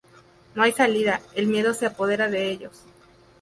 No hay salida, el miedo se apodera de ellos.